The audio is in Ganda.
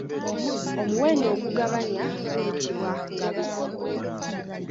Omuwendo ogugabanya guyitibwa Ngabizi.